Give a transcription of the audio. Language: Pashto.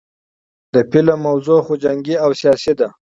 د فلم موضوع خو جنګي او سياسي ده